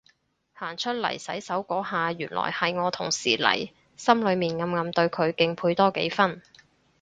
行出嚟洗手嗰下原來係我同事嚟，心裏面暗暗對佢敬佩多幾分